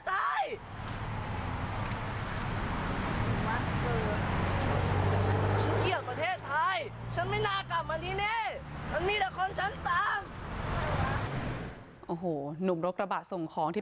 ฉันเกลียดประเทศไทยฉันไม่น่ากลับมาที่นี่